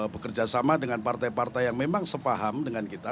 bekerja sama dengan partai partai yang memang sepaham dengan kita